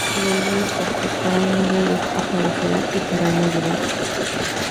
En algunas partes cada uno de ellos aparecerán y querrán ayudar.